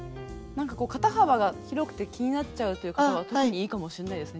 肩幅が広くて気になっちゃうという方は特にいいかもしれないですね。